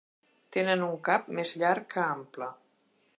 Tenen un cap més llarg que ample.